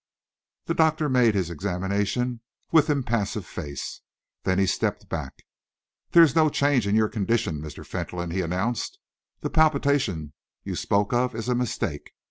The doctor made his examination with impassive face. Then he stepped back. "There is no change in your condition, Mr. Fentolin," he announced. "The palpitation you spoke of is a mistake.